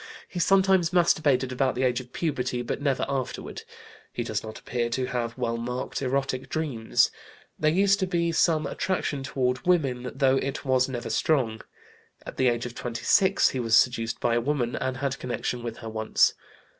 He sometimes masturbated about the age of puberty, but never afterward. He does not appear to have well marked erotic dreams. There used to be some attraction toward women, though it was never strong. At the age of 26 he was seduced by a woman and had connection with her once.